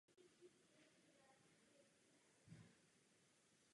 Grand Prix Austrálie nakonec nedokončil ani jeden z nich a to po kontroverzní kolizi.